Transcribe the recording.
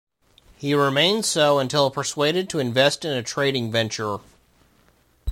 He remained so until persuaded to invest in a trading venture.